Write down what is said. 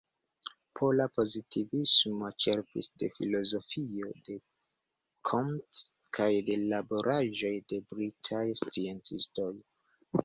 Pola pozitivismo ĉerpis de filozofio de Comte kaj de laboraĵoj de britaj sciencistoj.